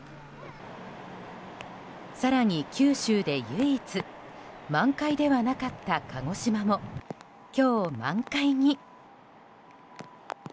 更に九州で唯一満開ではなかった鹿児島も今日、満開に。